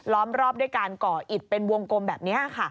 ้อมรอบด้วยการก่ออิดเป็นวงกลมแบบนี้ค่ะ